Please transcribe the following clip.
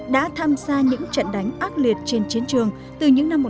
đã tham gia những trận đánh ác liệt trên chiến trường từ những năm một nghìn chín trăm bảy mươi hai